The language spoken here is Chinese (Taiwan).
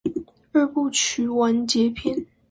二部曲完結篇